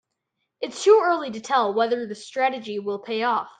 It's too early to tell whether the strategy will pay off.